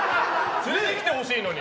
連れてきてほしいのに。